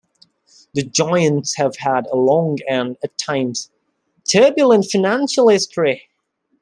The Giants have had a long and, at times, turbulent financial history.